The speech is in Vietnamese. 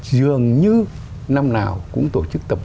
dường như năm nào cũng tổ chức tập trung